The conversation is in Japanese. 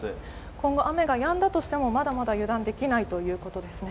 今後、雨がやんだとしても、まだまだ油断できないということですね。